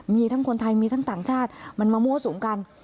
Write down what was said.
มีทั้งคนไทยมีทั้งต่างชาติมันมามั่วสุมกัน